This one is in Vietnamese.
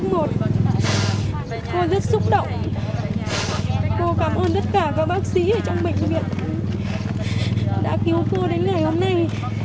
cô rất xúc động cô cảm ơn tất cả các bác sĩ ở trong bệnh viện đã cứu cô đến ngày hôm nay